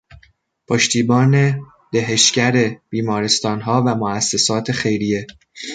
پشتیبان دهشگر بیمارستانها و موسسات خیریه